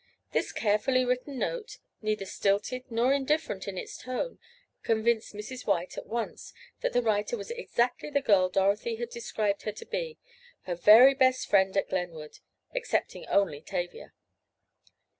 This carefully written note, neither stilted nor indifferent in its tone, convinced Mrs. White at once that the writer was exactly the girl Dorothy had described her to be—her very best friend at Glenwood—excepting only Tavia.